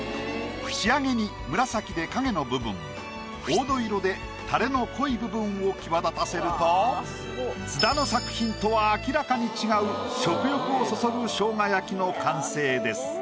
仕上げに紫で影の部分黄土色でタレの濃い部分を際立たせると津田の作品とは明らかに違う食欲をそそるしょうが焼きの完成です。